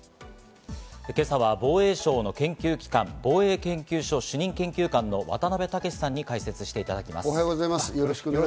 今朝は防衛省の研究機関・防衛研究所主任研究官の渡邊武さんに解説していただきます。